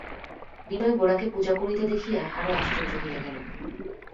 বিনয় গোরাকে পূজা করিতে দেখিয়া আরো আশ্চর্য হইয়া গেল।